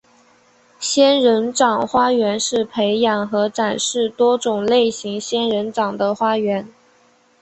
仙人掌花园是培养和展示多种类型仙人掌的花园。